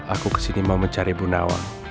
aku kesini mau mencari ibu nawang